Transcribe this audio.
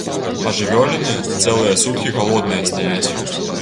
А жывёліны цэлыя суткі галодныя стаяць.